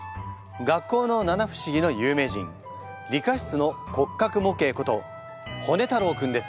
学校の七不思議の有名人理科室の骨格模型ことホネ太郎君です。